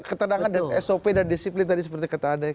ketenangan dan sop dan disiplin tadi seperti kata anda